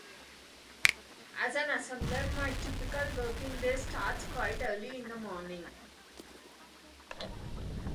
As an assembler, my typical working day starts quite early in the morning.